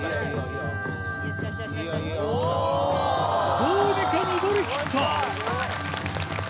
どうにか上りきった！